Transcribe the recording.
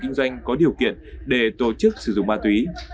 cơ sở kinh doanh có điều kiện để tổ chức sử dụng ma túy